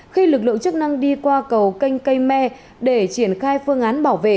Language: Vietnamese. khi lực lượng chức năng đi qua cầu canh cây me để triển khai phương án bảo vệ